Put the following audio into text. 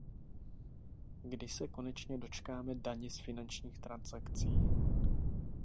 Kdy se konečně dočkáme daně z finančních transakcí?